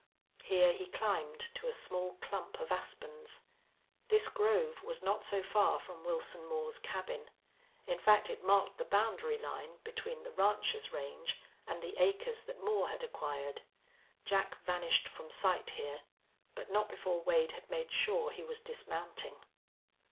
Here he climbed to a small clump of aspens. This grove was not so far from Wilson Moore's cabin; in fact, it marked the boundary line between the rancher's range and the acres that Moore had acquired. Jack vanished from sight here, but not before Wade had made sure he was dismounting.